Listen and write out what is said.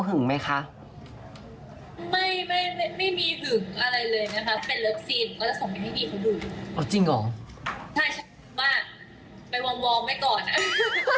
โอเหอะรู้สึกว่าเราก็เฌี่ยงแบบมิคุณเลยดีกว่า